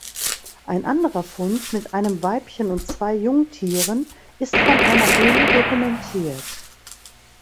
Ein anderer Fund mit einem Weibchen und zwei Jungtieren ist von einer Höhle dokumentiert.